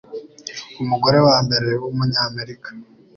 umugore wa mbere w'Umunyamerika